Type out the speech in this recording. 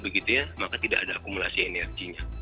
begitu ya maka tidak ada akumulasi energinya